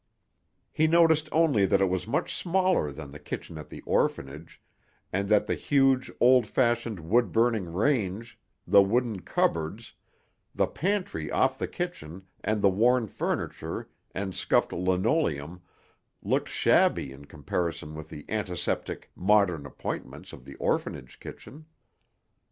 He noticed only that it was much smaller than the kitchen at the orphanage and that the huge, old fashioned wood burning range, the wooden cupboards, the pantry off the kitchen and the worn furniture and scuffed linoleum looked shabby in comparison with the antiseptic, modern appointments of the orphanage kitchen.